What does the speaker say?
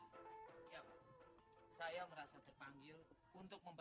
sebenarnya mereka harus diselamatkan